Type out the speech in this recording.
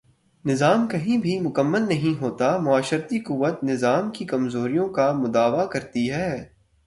نظام کہیں بھی مکمل نہیں ہوتا معاشرتی قوت نظام کی کمزوریوں کا مداوا کرتی ہے۔